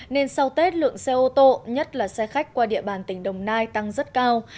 nên sau tết lượng xe ô tô nhất là xe khách qua địa bàn tỉnh đồng nai tăng rất cao